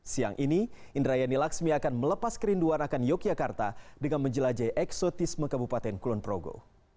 siang ini indrayani laksmi akan melepas kerinduan akan yogyakarta dengan menjelajahi eksotisme kabupaten kulon progo